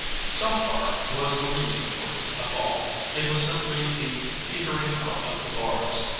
South Barr was the least important of all. It was simply the petering out of the Barrs.